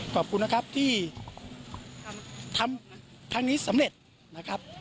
ขอบคุณนะครับที่ทำครั้งนี้สำเร็จนะครับ